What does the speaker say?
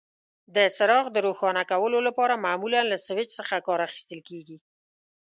د څراغ د روښانه کولو لپاره معمولا له سویچ څخه کار اخیستل کېږي.